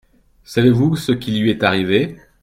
Savez-vous ce qui lui est arrivé ?